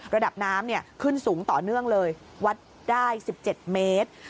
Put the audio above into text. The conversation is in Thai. ระดับน้ำเนี่ยขึ้นสูงต่อเนื่องเลยวัดได้สิบเจ็ดเมตร